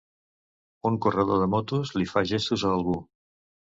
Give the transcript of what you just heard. Un corredor de motos li fa gestos a algú